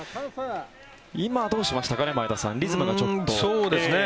今、どうしましたかね前田さん、リズムがちょっと。